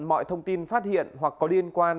mọi thông tin phát hiện hoặc có liên quan